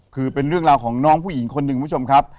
คือเป็นเรื่องราวของน้องผู้หญิงคนหนึ่งคุณผู้ชมครับ